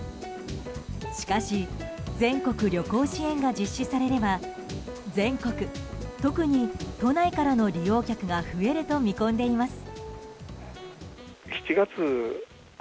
しかし全国旅行支援が実施されれば全国、特に都内からの利用客が増えると見込んでいます。